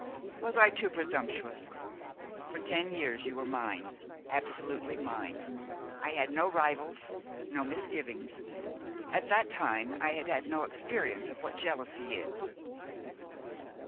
Was I too presumptuous? For ten years you were mine, absolutely mine; I had no rivals, no misgivings. At that time I had had no experience of what jealousy is.